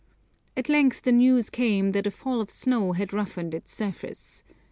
At length the news came that a fall of snow had roughened its surface.